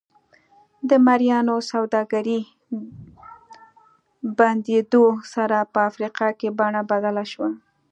د مریانو سوداګرۍ بندېدو سره په افریقا کې بڼه بدله شوه.